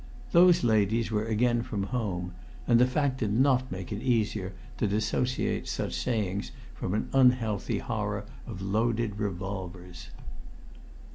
Those ladies were again from home, and the fact did not make it easier to dissociate such sayings from an unhealthy horror of loaded revolvers.